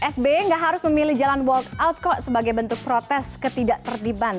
sby nggak harus memilih jalan walk out kok sebagai bentuk protes ketidak terdiban